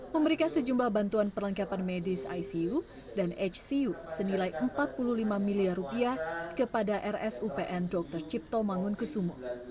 memberikan sejumlah bantuan perlengkapan medis icu dan hcu senilai empat puluh lima miliar rupiah kepada rsupn dr cipto mangunkusumo